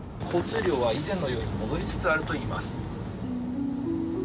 交通量は以前のように戻りつつあるといいます。